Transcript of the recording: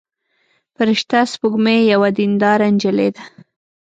فرشته سپوږمۍ یوه دينداره نجلۍ ده.